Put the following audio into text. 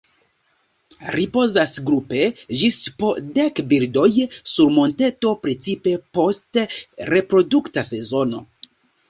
Ripozas grupe ĝis po dek birdoj sur monteto precipe post reprodukta sezono.